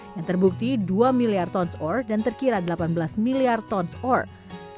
yang terbukti dua miliar ton ore dan terkira delapan belas miliar tons ore